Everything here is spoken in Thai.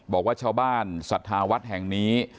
บอกว่าชาวบ้านศรัทธาวัดแห่งนี้